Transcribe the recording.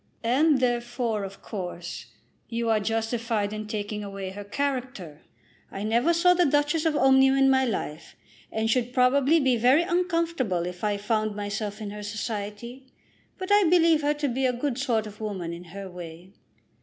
"And therefore, of course, you are justified in taking away her character. I never saw the Duchess of Omnium in my life, and should probably be very uncomfortable if I found myself in her society; but I believe her to be a good sort of woman in her way."